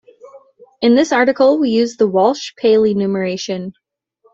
In this article, we use the "Walsh-Paley numeration".